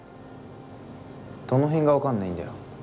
どの辺が分かんないんだよ。